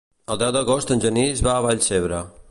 El deu d'agost en Genís va a Vallcebre.